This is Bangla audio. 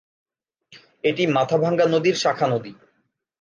এটি মাথাভাঙ্গা নদীর শাখা নদী।